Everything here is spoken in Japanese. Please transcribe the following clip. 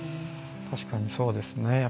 確かにそうですね。